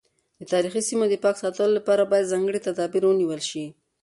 د تاریخي سیمو د پاک ساتلو لپاره باید ځانګړي تدابیر ونیول شي.